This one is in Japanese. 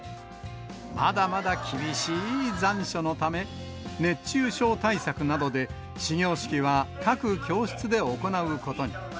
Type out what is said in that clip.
まだまだ厳しい残暑のため、熱中症対策などで、始業式は各教室で行うことに。